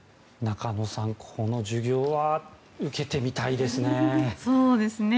中野さん、この授業は受けてみたいですね。